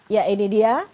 ya ini dia